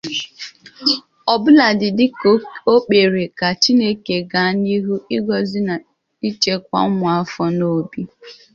ọbụladị dịka o kpere ka Chineke gaa n'ihu ịgọzi na ichekwa ụmụafọ Nnobi